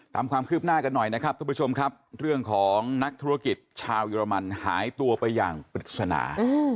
ตามความคืบหน้ากันหน่อยนะครับทุกผู้ชมครับเรื่องของนักธุรกิจชาวเยอรมันหายตัวไปอย่างปริศนา